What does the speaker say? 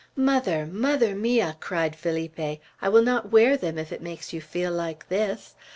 "Mother, mother mia," cried Felipe, "I will not wear them if it makes you feel like this!